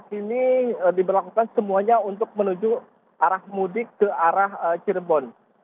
ini diberlakukan semuanya untuk menuju arah mudik ke arah cirebon